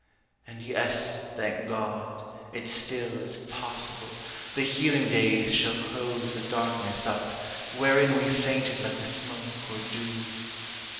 And yes, thank God, it still is possible The healing days shall close the darkness up Wherein we fainted like a smoke or dew.